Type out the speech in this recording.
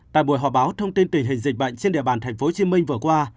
tại buổi họp báo thông tin tình hình dịch bệnh trên địa bàn tp hcm vừa qua